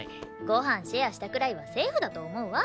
ごはんシェアしたくらいはセーフだと思うわ。